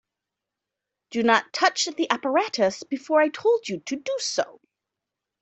Do not touch the apparatus before I told you to do so.